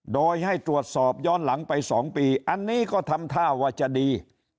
โดยให้ตรวจสอบย้อนหลังไป๒ปีอันนี้ก็ทำท่าว่าจะดี